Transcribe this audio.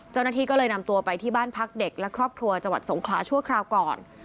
เจ้าหน้าที่ก็เลยนำตัวไปที่บ้านพักเด็กและครอบครัวจังหวัดสงขลาชั่วคราวก่อน